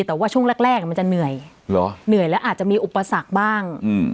แต่ว่าช่วงแรกมันจะเหนื่อยเหนื่อยแล้วอาจจะมีอุปสรรคบ้าง